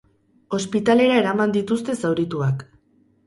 Ospitalera eraman dituzte zaurituak.